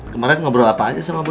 kemarin ngobrol apa aja sama bu